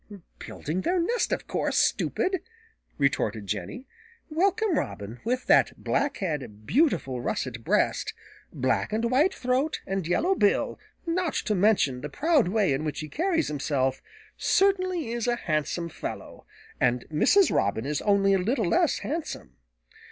"Building their nest, of course, stupid," retorted Jenny. "Welcome Robin, with that black head, beautiful russet breast, black and white throat and yellow bill, not to mention the proud way in which he carries himself, certainly is a handsome fellow, and Mrs. Robin is only a little less handsome.